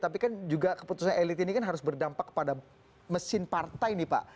tapi kan juga keputusan elit ini kan harus berdampak kepada mesin partai nih pak